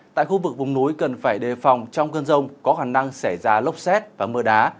tại khu vực vùng núi cần phải đề phòng trong cơn rông có khả năng xảy ra lốc xét và mưa đá